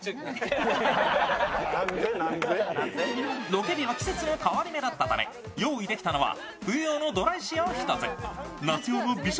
ロケ日は季節の変わり目だったため用意できたのは冬用のドライ仕様の一つ。